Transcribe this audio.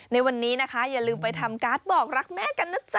ในวันนี้นะคะอย่าลืมไปทำการ์ดบอกรักแม่กันนะจ๊